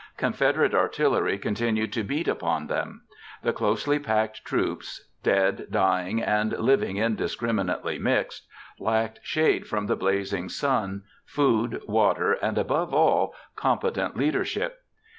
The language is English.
Confederate artillery continued to beat upon them. The closely packed troops (dead, dying, and living indiscriminately mixed) lacked shade from the blazing sun, food, water and, above all, competent leadership.